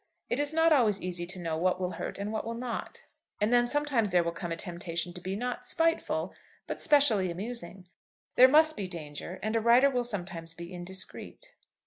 It is not always easy to know what will hurt and what will not. And then sometimes there will come a temptation to be, not spiteful, but specially amusing. There must be danger, and a writer will sometimes be indiscreet.